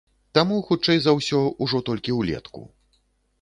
Таму, хутчэй за ўсё, ужо толькі ўлетку.